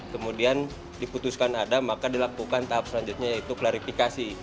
kemudian diputuskan ada maka dilakukan tahap selanjutnya yaitu klarifikasi